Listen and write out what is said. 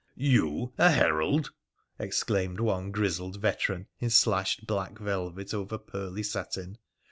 ' You a herald 1 ' exclaimed one grizzled veteran in slashed black velvet over pearly satin.